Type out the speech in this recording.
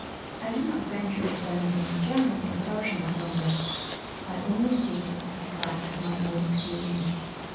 I do not venture to found any general assertion upon this: I only state it as a fact of my own experience.